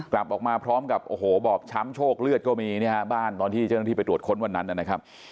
กลับออกมาพร้อมกับโอ้โหบอบช้ำโชคเลือดก็มีเนี่ยฮะบ้านตอนที่เจ้าหน้าที่ไปตรวจค้นวันนั้นนะครับ